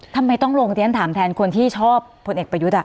ทำไมต้องลงที่ฉันถามแทนคนที่ชอบผลเอกประยุทธ์